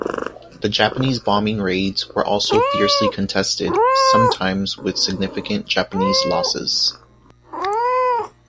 The Japanese bombing raids were also fiercely contested, sometimes with significant Japanese losses.